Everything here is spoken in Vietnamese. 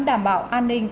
đảm bảo an ninh